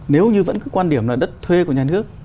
nếu như vẫn cứ quan điểm là đất thuê của nhà nước